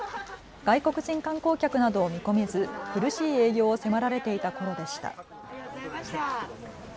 外国人観光客などを見込めず苦しい営業を迫られていたころでした。